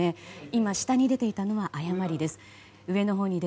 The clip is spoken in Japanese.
今、下に出ていたのは誤りです。